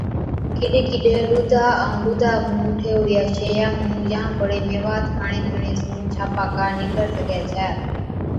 ڪِڏ ڪِڏ ڏُوڌا ائُون ڏُوڌا مُون ٺيهوڙِيان شئِيان مُون يان بڙي ميوات کاڻي پِيڻي سُون ڇاپڪا نِڪر سِگھَي ڇَي۔